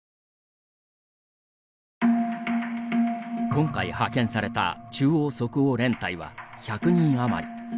今回派遣された中央即応連隊は１００人余り。